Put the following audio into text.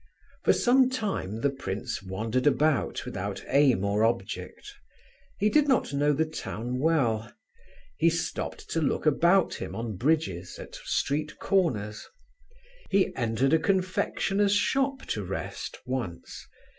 For some time the prince wandered about without aim or object. He did not know the town well. He stopped to look about him on bridges, at street corners. He entered a confectioner's shop to rest, once.